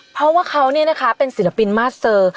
เพราะว่าเขาเป็นศิลปินมาสเซอร์